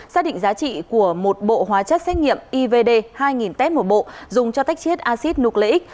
xác định giá trị của một bộ hóa chất xét nghiệm ivd hai nghìn t một dùng cho tách chết acid nucleic